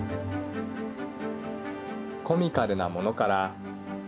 コミカルなものから。